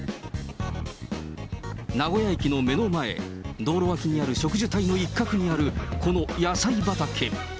名古屋駅の目の前、道路脇にある植樹帯の一角にあるこの野菜畑。